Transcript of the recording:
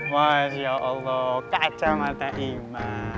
masya allah kacamata iman